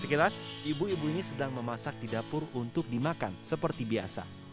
sekilas ibu ibu ini sedang memasak di dapur untuk dimakan seperti biasa